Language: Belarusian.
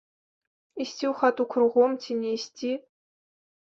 Ісці ў хату кругом ці не ісці.